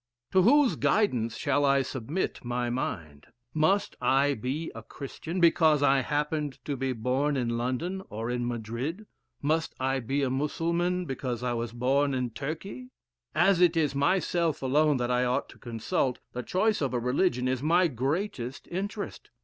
To whose guidance shall I submit my mind? Must I be a Christian, be cause I happened to be born in London, or in Madrid? Must I be a Mussulman, because I was born in Turkey? As it is myself alone that I ought to consult, the choice of a religion is my greatest interest.